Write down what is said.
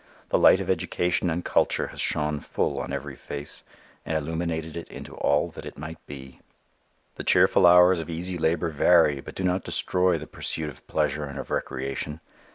The light of education and culture has shone full on every face and illuminated it into all that it might be. The cheerful hours of easy labor vary but do not destroy the pursuit of pleasure and of recreation.